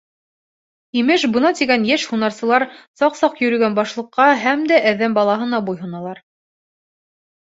Имеш, бына тигән йәш һунарсылар саҡ-саҡ йөрөгән башлыҡҡа һәм дә әҙәм балаһына буйһоналар.